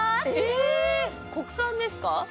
えっ国産ですか？